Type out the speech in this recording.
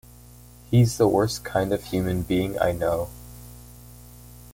He's the worst kind of human being I know.